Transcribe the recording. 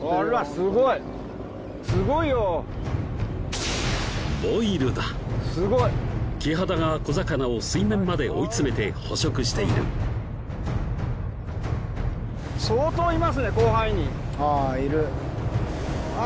すごいすごいよボイルだキハダが小魚を水面まで追い詰めて捕食しているああ